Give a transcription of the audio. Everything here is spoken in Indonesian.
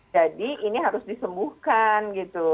jadi ini harus disembuhkan gitu